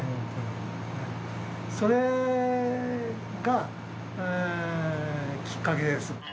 それがきっかけです。